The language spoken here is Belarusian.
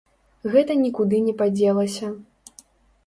Гэта нікуды не падзелася.